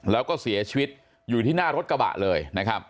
แล้วก็เสียชีวิตอยู่ที่หน้ารถกระบะเลยนะครับ